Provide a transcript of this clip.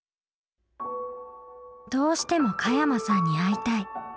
「どうしても加山さんに会いたい」。